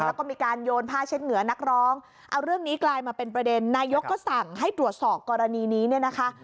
แล้วก็มีการโยนผ้าเช็ดเหงื่อนักร้องเอาเรื่องนี้กลายมาเป็นประเด็นนายกก็สั่งให้ตรวจสอบกรณีนี้เนี่ยนะคะ